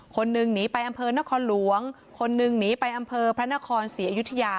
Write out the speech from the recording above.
คนหนึ่งหนีไปอำเภอนครหลวงคนหนึ่งหนีไปอำเภอพระนครศรีอยุธยา